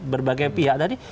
berbagai pihak tadi